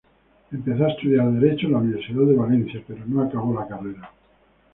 Empezó a estudiar derecho en la Universidad de Valencia, pero no acabó la carrera.